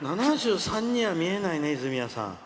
７３には見えないね泉谷さん。